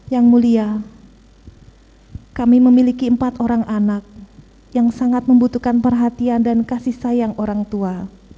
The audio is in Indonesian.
yang mulia kami memiliki empat orang anak yang sangat membutuhkan perhatian dan kasih sayang orang tua